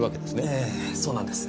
ええそうなんです。